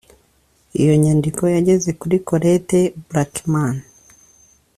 Iyo nyandiko yageze kuri Colette Braeckman